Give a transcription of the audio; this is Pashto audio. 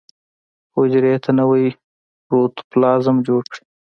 حجرې ته نوی پروتوپلازم جوړ کړي.